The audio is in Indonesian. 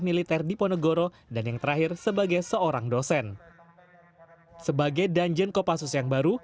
militer di ponegoro dan yang terakhir sebagai seorang dosen sebagai danjen kopassus yang baru